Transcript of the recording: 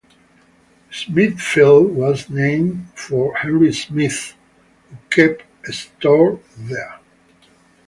Smithfield was named for Henry Smith, who kept a store there.